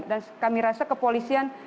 dan kami rasa kepolisian